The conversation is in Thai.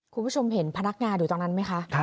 คุณผู้ชมเห็นพนักงานอยู่ตรงนั้นไหมคะ